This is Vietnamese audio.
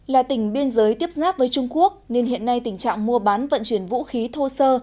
là tỉnh biên giới tiếp xác với trung quốc nên hiện nay tình trạng mua bán vận chuyển vũ khí thô sơ